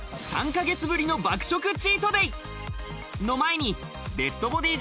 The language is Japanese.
３ヶ月ぶりの爆食チートデイ。